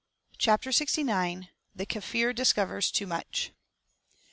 CHAPTER SIXTY NINE. THE KAFFIR DISCOVERS TOO MUCH.